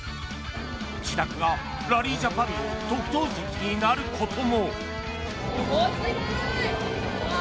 自宅がラリージャパンの特等席になることも！